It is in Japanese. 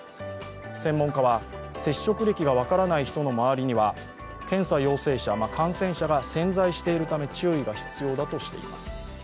専門家は、接触歴が分からない人の周りには検査陽性者、感染者が潜在しているため注意が必要だとしています。